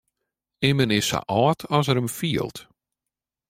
Immen is sa âld as er him fielt.